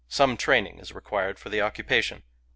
Some training is required for the occupation.